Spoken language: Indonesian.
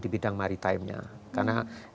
di bidang maritime nya karena